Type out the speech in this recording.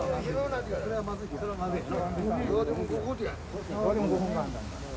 これはまずいな。